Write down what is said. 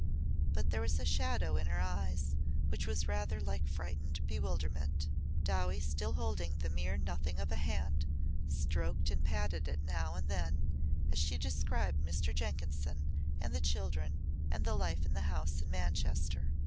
But there was a shadow in her eyes which was rather like frightened bewilderment. Dowie still holding the mere nothing of a hand, stroked and patted it now and then as she described Mr. Jenkinson and the children and the life in the house in Manchester.